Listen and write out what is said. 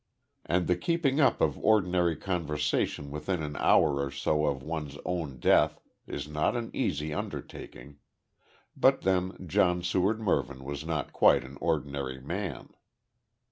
And the keeping up of ordinary conversation within an hour or so of one's own death is not an easy undertaking; but then, John Seward Mervyn was not quite an ordinary man.